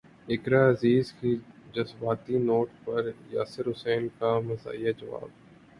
اقرا عزیز کے جذباتی نوٹ پر یاسر حسین کا مزاحیہ جواب